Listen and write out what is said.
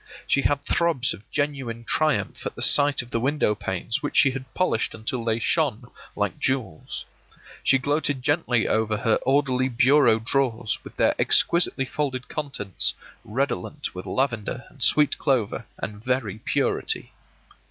She had throbs of genuine triumph at the sight of the window panes which she had polished until they shone like jewels. She gloated gently over her orderly bureau drawers, with their exquisitely folded contents redolent with lavender and sweet clover and very purity.